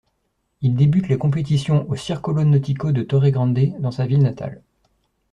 Il débute les compétitions au Circolo Nautico de Torre Grande, dans sa ville natale.